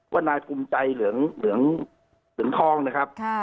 ว่านายกลุ่มใจเหลืองทองนะครับ